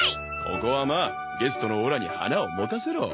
ここはまあゲストのオラに花を持たせろ。